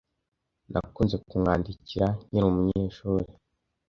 Nakunze kumwandikira nkiri umunyeshuri.